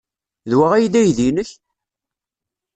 D wa ay d aydi-nnek?